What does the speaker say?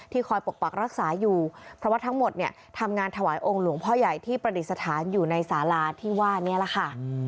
คอยปกปักรักษาอยู่เพราะว่าทั้งหมดเนี่ยทำงานถวายองค์หลวงพ่อใหญ่ที่ประดิษฐานอยู่ในสาราที่ว่านี้แหละค่ะ